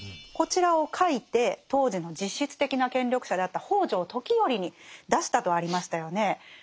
こちらを書いて当時の実質的な権力者であった北条時頼に出したとありましたよね。